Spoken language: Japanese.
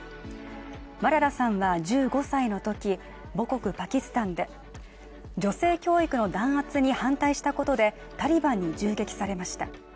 マララさんは１５歳のとき、母国パキスタンで女性教育の弾圧に反対したことで、タリバンに銃撃されました。